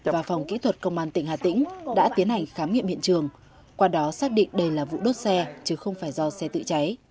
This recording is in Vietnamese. và phòng kỹ thuật công an tỉnh hà tĩnh đã tiến hành khám nghiệm hiện trường qua đó xác định đây là vụ đốt xe chứ không phải do xe tự cháy